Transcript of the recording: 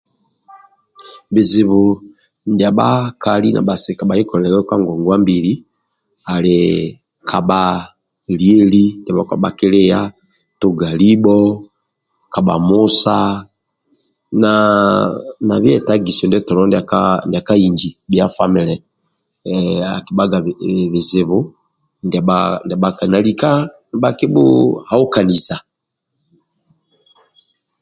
Bizibu ndia bhakali na bhasika ndia bhaki koliliagaku kagogwa mbili ali kabha lieli ndia bhakpa bhakilia tuga libho kabha musa na bietagiso ndietolo ndia ka inji kedha famile akibhaga ndulu bizibu ndia bhakali na lika nibha kibhu haukaniza